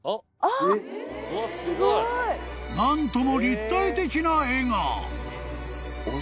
［何とも立体的な絵が］